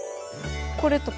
これとか？